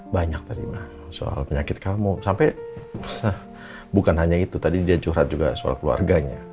banyak tadi soal penyakit kamu sampai bukan hanya itu tadi dia curhat juga soal keluarganya